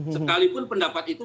sekalipun pendapat itu